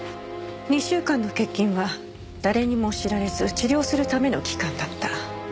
２週間の欠勤は誰にも知られず治療するための期間だった。